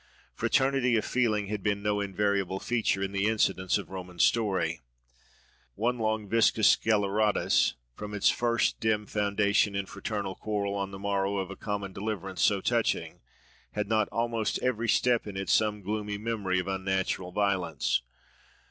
Fraternity of feeling had been no invariable feature in the incidents of Roman story. One long Vicus Sceleratus, from its first dim foundation in fraternal quarrel on the morrow of a common deliverance so touching—had not almost every step in it some gloomy memory of unnatural violence?